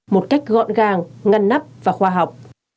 một cách gọn gàng ngăn nắp và khoa học